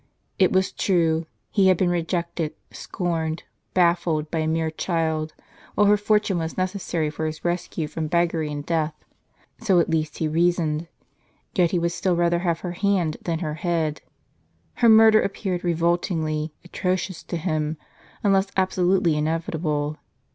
It was true, he had been ^S w rejected, scorned, baifled by a mere child, while her fortune was necessary for his rescue from beggary and death, — so at least he reasoned ; yet he would still rather have her hand than her head. Her murder appeared revoltingly atrocious to him, unless absolutely inevitable.